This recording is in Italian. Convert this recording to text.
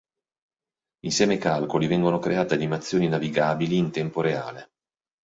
Insieme ai calcoli vengono create animazioni navigabili in tempo reale.